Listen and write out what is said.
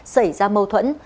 xảy ra mâu thuẫn